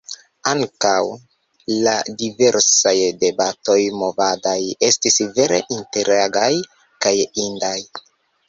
Ankaŭ la diversaj debatoj movadaj estis vere interagaj kaj indaj.